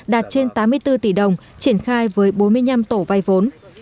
đạt trên tám mươi bốn tỷ đồng triển khai với bốn mươi năm tổ vay vốn